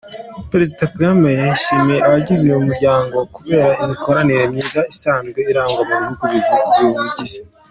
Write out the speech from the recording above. Perezida Kagame yashimiye abagize uyu muryango kubera imikoranire myiza isanzwe irangwa mu bihugu biwugize.